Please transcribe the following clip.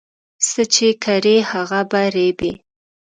څه چې کرې، هغه به ريبې